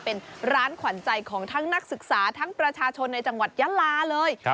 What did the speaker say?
เป็นร้านขวัญใจของทั้งนักศึกษาทั้งประชาชนในจังหวัดยะลาเลย